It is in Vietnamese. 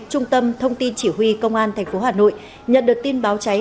trung tâm thông tin chỉ huy công an thành phố hà nội nhận được tin báo cháy